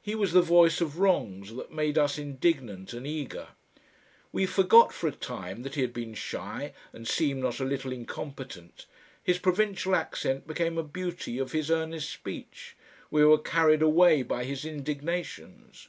He was the voice of wrongs that made us indignant and eager. We forgot for a time that he had been shy and seemed not a little incompetent, his provincial accent became a beauty of his earnest speech, we were carried away by his indignations.